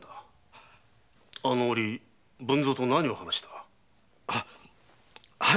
あのおり文造と何を話した？